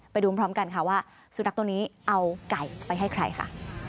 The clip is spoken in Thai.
ไปดูพร้อมกันค่ะว่าสุนัขตัวนี้เอาไก่ไปให้ใครค่ะ